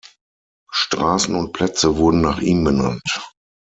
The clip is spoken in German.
Straßen und Plätze wurden nach ihm benannt.